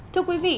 thưa quý vị